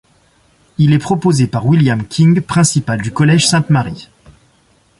Il est proposé par William King principal du collège Sainte-Marie.